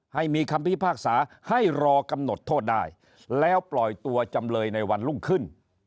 ให้มีคำพิพากษาให้รอกำหนดโทษได้แล้วปล่อยตัวจำเลยในวันรุ่งขึ้น